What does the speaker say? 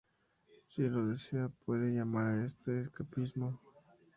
Si lo desea, puede llamar a esta escapismo.